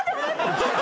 ちょっと！